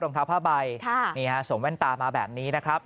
รองเท้าผ้าใบนี่ฮะสวมแว่นตามาแบบนี้นะครับ